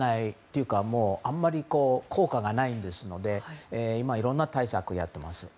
というかあまり効果がないですので今、いろんな対策をやっています。